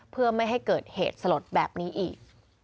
เพื่อไม่ให้เกิดเหตุสลดแบบนี้อีก